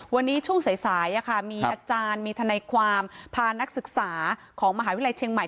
วันนี้ช่วงสายมีอาจารย์มีทนายความพานักศึกษาของมหาวิทยาลัยเชียงใหม่